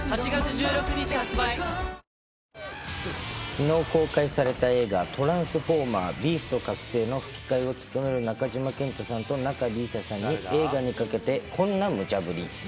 きのう公開された映画、トランスフォーマー／ビースト覚醒の吹き替えを務める中島健人さんと仲里依紗さんに映画にかけて、こんなむちゃぶり。